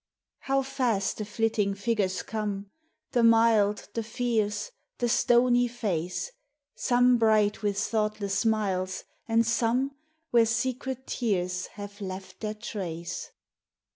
How fast the flitting figures coin.'! The mild, the fierce, the stony face— 240 POEMS OF SENTIMENT. Some bright with thoughtless smiles, and some Where secret tears have left their trace.